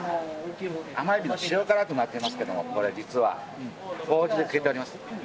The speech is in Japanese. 甘えびの塩辛となってますけどもこれ実は糀で漬けております。